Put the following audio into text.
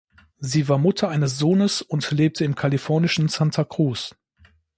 Sie war Mutter eines Sohnes und lebte im kalifornischen Santa Cruz.